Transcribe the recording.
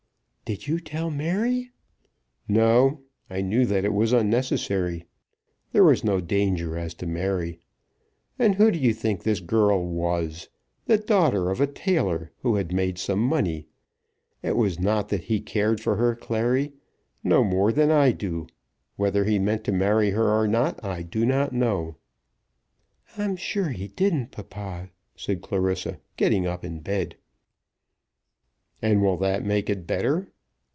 "Did you tell Mary?" "No. I knew that it was unnecessary. There was no danger as to Mary. And who do you think this girl was? The daughter of a tailor, who had made some money. It was not that he cared for her, Clary; no more than I do! Whether he meant to marry her or not I do not know." "I'm sure he didn't, papa," said Clarissa, getting up in bed. "And will that make it better?